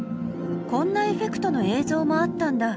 こんなエフェクトの映像もあったんだ。